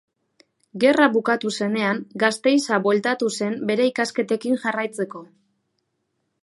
Gerra bukatu zenean Gasteiza bueltatu zen bere ikasketekin jarraitzeko.